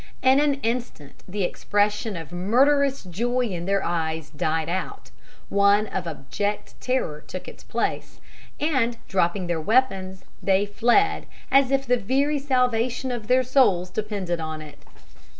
In an instant the expression of murderous joy in their eyes died out, one of abject terror took its place, and, dropping their weapons, they fled, as if the very salvation of their souls depended on it.